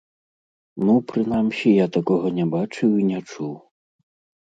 Ну, прынамсі, я такога не бачыў і не чуў.